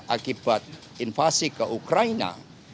akibat invasi ke ukraina